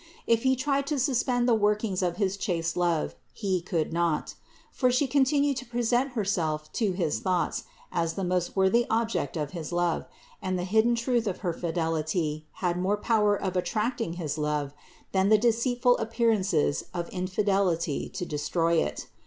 If he tried to suspend the workings of his chaste love, he could not ; for She continued to present Herself to his thoughts as the most worthy object of his love, and the hidden truth of her fidelity had more power 304 CITY OF GOD of attracting his love than the deceitful appearances of infidelity to destroy it.